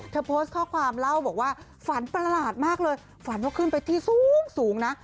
โพสต์ข้อความเล่าบอกว่าฝันประหลาดมากเลยฝันว่าขึ้นไปที่สูงนะ